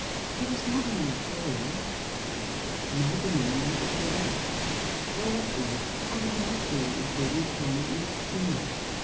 "It is not my material," I said. "My dominion is the West." Though at ease, I had no feeling of being at home in this tumult.